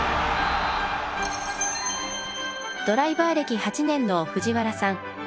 ドライバー歴８年の藤原さん。